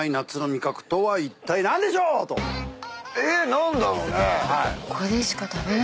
何だろうね？